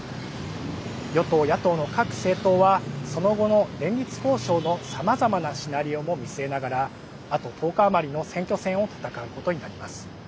与党野党の各政党はその後も連立交渉のさまざまなシナリオも見せながらあと１０日余りの選挙戦を戦うことになります。